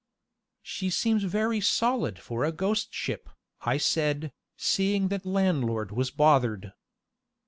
"She seems very solid for a ghost ship," I said, seeing that landlord was bothered.